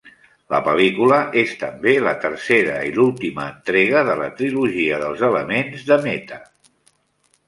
La pel·lícula és també la tercera i l'última entrega de la "Trilogia dels elements" de Mehta.